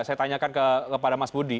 saya tanyakan kepada mas budi